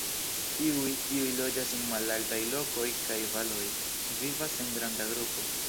Tiuj, kiuj loĝas en malaltaj lokoj kaj valoj, vivas en granda grupo.